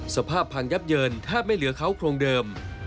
สภาพพังยับเยินแทบไม่เหลือเขาโครงเดิม